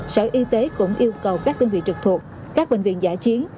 sở y tế cũng yêu cầu các đơn vị trực thuộc các bệnh viện giả chiến